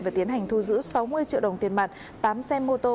và tiến hành thu giữ sáu mươi triệu đồng tiền mặt tám xe mô tô